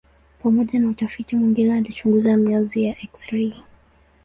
Pamoja na utafiti mwingine alichunguza mionzi ya eksirei.